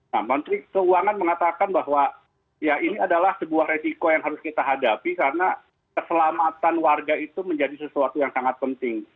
nah menteri keuangan mengatakan bahwa ya ini adalah sebuah resiko yang harus kita hadapi karena keselamatan warga itu menjadi sesuatu yang sangat penting